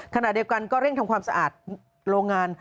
ขณะเดียวกันก็เร่งทำความสะอาดโรงงาน